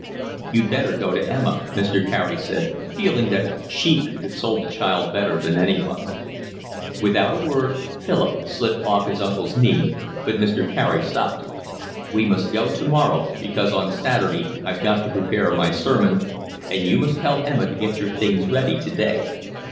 "You'd better go to Emma," Mr. Carey said, feeling that she could console the child better than anyone. Without a word Philip slipped off his uncle's knee, but Mr. Carey stopped him. "We must go tomorrow, because on Saturday I've got to prepare my sermon, and you must tell Emma to get your things ready today.